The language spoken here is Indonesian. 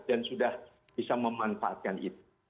dan sudah bisa memanfaatkan itu